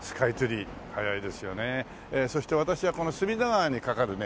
そして私はこの隅田川にかかるね